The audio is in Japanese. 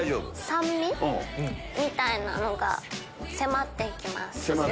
酸味みたいなのが迫ってきます。